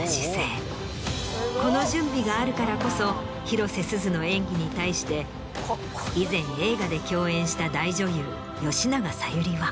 この準備があるからこそ広瀬すずの演技に対して以前映画で共演した大女優吉永小百合は。